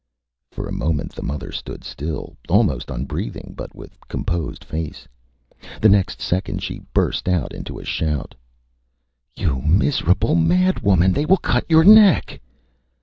Â For a moment the mother stood still, almost unbreathing, but with composed face. The next second she burst out into a shout ÂYou miserable madwoman ... they will cut your neck.